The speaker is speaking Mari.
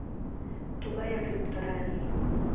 Тугаяк люптыра лийын.